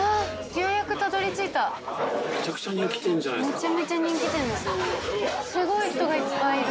めちゃめちゃ人気店ですねすごい。